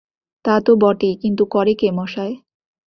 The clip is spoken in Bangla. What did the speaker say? তা তো বটেই, কিন্তু করে কে মশায়?